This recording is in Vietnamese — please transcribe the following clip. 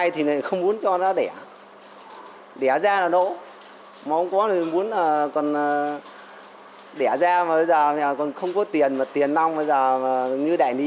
nhưng mà không có thì muốn là còn đẻ ra mà bây giờ còn không có tiền mà tiền nông bây giờ như đại lý